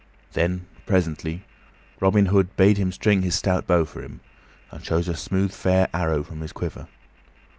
Then, presently, Robin Hood bade him string his stout bow for him, and choose a smooth fair arrow from his quiver.